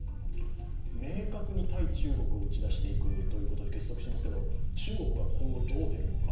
明確に対中国を打ち出していくということで結束してますが中国は今後、どう出るのか。